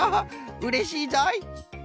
うれしいぞい！